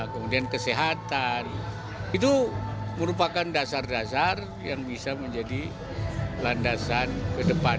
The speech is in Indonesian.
kemudian kesehatan itu merupakan dasar dasar yang bisa menjadi landasan ke depan